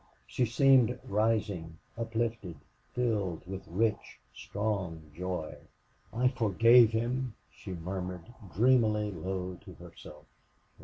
She seemed rising, uplifted, filled with rich, strong joy. "I forgave him," she murmured, dreamily low to herself.